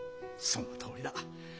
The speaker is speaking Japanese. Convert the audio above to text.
そのとおりだ。